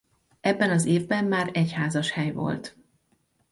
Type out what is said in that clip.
Ebben az évben már egyházas hely volt.